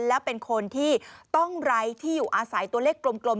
และเป็นคนที่ต้องไร้ที่อยู่อาศัยตัวเลขกลม